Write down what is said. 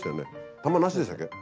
玉なしでしたっけ？